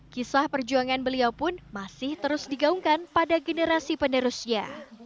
kisah perjuangan beliau pun masih terus digaungkan pada generasi penerusnya